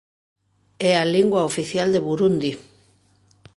É a lingua oficial de Burundi.